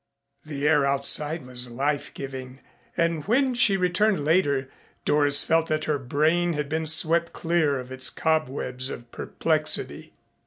The air outside was life giving, and when she returned later Doris felt that her brain had been swept clear of its cobwebs of perplexity.